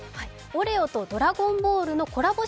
オレオと「ドラゴンボール」のコラボ